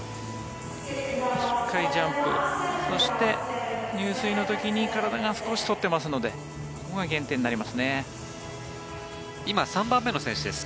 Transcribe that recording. しっかりジャンプそして入水の時に体が少し反ってますのでここが減点になりますね。